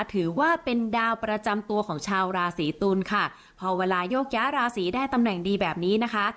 ถือว่าเป็นดาวประจำตัวของชาวราศีตุลค่ะพอเวลาโยกย้าราศีได้ตำแหน่งดีแบบนี้นะคะ